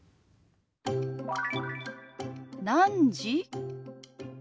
「何時？」。